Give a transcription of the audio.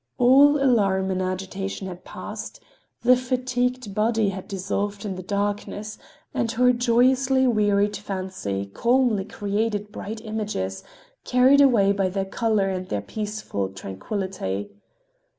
All alarm and agitation had passed, the fatigued body had dissolved in the darkness, and her joyously wearied fancy calmly created bright images, carried away by their color and their peaceful tranquillity.